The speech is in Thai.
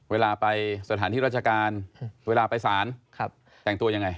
เวลาไปสถานที่ราชการเวลาไปสารแต่งตัวยังไง